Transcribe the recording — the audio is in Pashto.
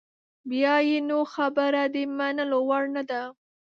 بیا یې نو خبره د منلو وړ نده.